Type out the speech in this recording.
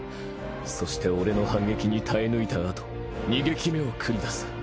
そして俺の反撃に耐え抜いたあと２撃目を繰り出す。